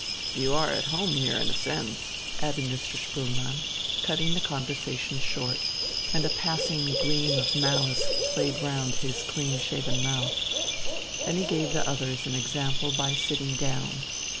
"You are at home here in a sense," added Mr. Spoelmann, cutting the conversation short, and a passing gleam of malice played round his clean shaven mouth. Then he gave the others an example by sitting down.